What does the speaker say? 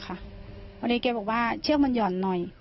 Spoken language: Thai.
พอดีแกบอกว่าเชือกมันหย่อนหน่อย